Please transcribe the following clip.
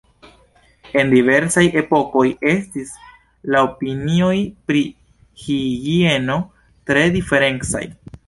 En diversaj epokoj estis la opinioj pri higieno tre diferencaj.